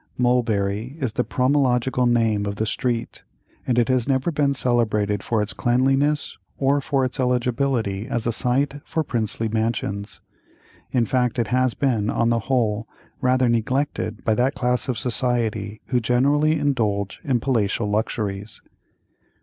"Mulberry," is the pomological name of the street, and it has never been celebrated for its cleanliness or for its eligibility as a site for princely mansions. In fact it has been, on the whole, rather neglected by that class of society who generally indulge in palatial luxuries.